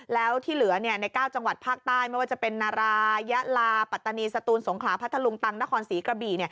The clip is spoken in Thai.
แล้วที่เหลือใน๙จังหวัดภาคใต้ไม่ว่าจะเป็นนารายะลาปัตตานีสตูนสงขลาพัทธลุงตังนครศรีกระบี่